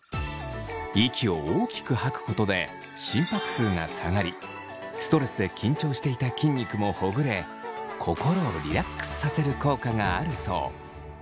息を大きく吐くことで心拍数が下がりストレスで緊張していた筋肉もほぐれ心をリラックスさせる効果があるそう。